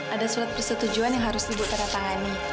ada surat persetujuan yang harus di bu teratangani